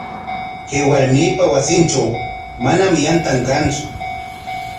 Kay warmipa wasintraw manam yantan kantsu.